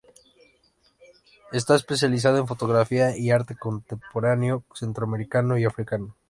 Está especializado en fotografía y arte contemporáneo centroamericano y africano.